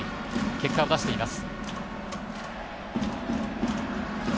結果を出しています。